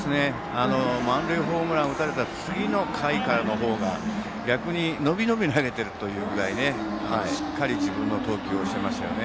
満塁ホームランを打たれた次の回からの方が逆に、のびのび投げているぐらいしっかり自分の投球をしていましたね。